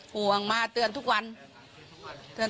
ห่วงมาเตือนทุกวัน